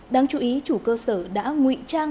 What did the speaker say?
đáng chú ý chủ cơ sở đã nguy trang